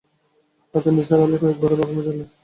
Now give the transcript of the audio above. রাতে নিসার আলি কয়েকবারই বাথরুমে গেলেন।